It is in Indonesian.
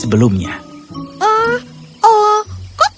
sebelumnya dia sudah berhenti mengelola ayam